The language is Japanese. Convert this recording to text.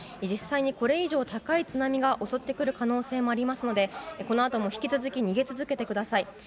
実際に、これ以上高い津波が襲ってくる可能性もありますのでこのあとも引き続き逃げ続けてください。